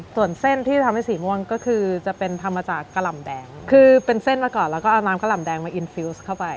ส่วนเส้นที่จะทำให้สีม่วงก็คือจะเป็นทำมาจากกะหล่ำแดงคือเป็นเส้นมาก่อนแล้วก็เอาน้ำกะหล่ำแดงมาอินฟิลสเข้าไป